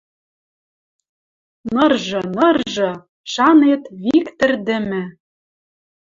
Ныржы, ныржы! Шанет, вик тӹрдӹмӹ